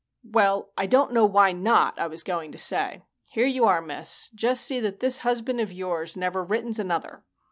"Well, I don't know why not, I was going to say. Here you are, miss. Just see that this husband of yours never writtens another."